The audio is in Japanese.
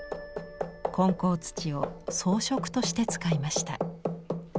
混淆土を装飾として使いました。